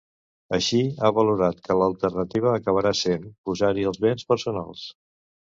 Així, ha valorat que l’alternativa acabarà sent “posar-hi els béns personals”.